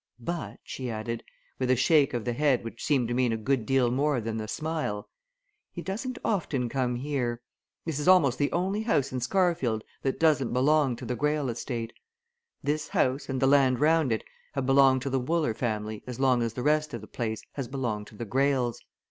But," she added, with a shake of the head which seemed to mean a good deal more than the smile, "he doesn't often come here. This is almost the only house in Scarhaven that doesn't belong to the Greyle estate. This house, and the land round it, have belonged to the Wooler family as long as the rest of the place has belonged to the Greyles.